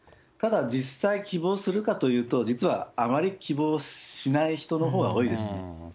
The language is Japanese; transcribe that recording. だから実際、希望するかというと、実はあまり希望しない人のほうが多いです。